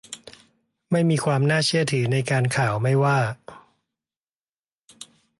ไม่มีความน่าเชื่อถือในการข่าวไม่ว่า